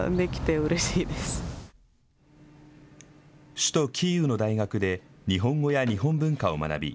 首都キーウの大学で日本語や日本文化を学び